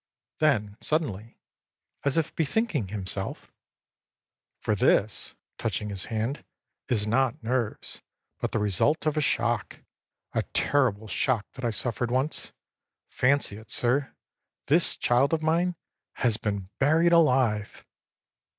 â Then, suddenly, as if bethinking himself: âFor this,â touching his hand, âis not nerves, but the result of a shock, a terrible shock that I suffered once. Fancy it, sir, this child of mine has been buried alive!